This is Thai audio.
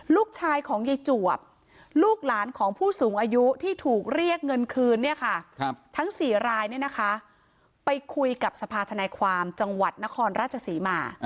ลูกชายของยายจวบลูกหลานของผู้สูงอายุที่ถูกเรียกเงินคืนทั้ง๔รายไปคุยกับสภาธนายความจังหวัดนครราชศรีมา